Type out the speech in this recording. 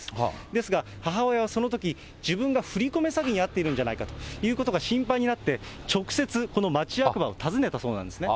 ですが、母親はそのとき自分が振り込め詐欺に遭っているんじゃないかということが心配になって、直接、この町役場を訪ねたそうなんですね。